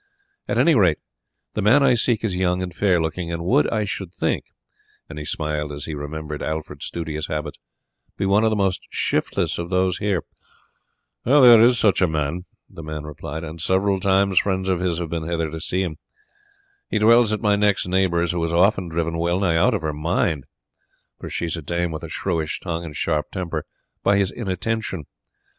At any rate the man I seek is young and fair looking, and would, I should think" and he smiled as he remembered Alfred's studious habits "be one of the most shiftless of those here." "There is such a one," the man replied, "and several times friends of his have been hither to see him. He dwells at my next neighbour's, who is often driven well nigh out of her mind for she is a dame with a shrewish tongue and sharp temper by his inattention.